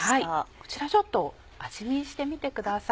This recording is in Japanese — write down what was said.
こちらちょっと味見してみてください。